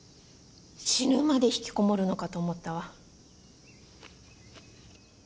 死ぬまでひきこもるのかと思ったわ。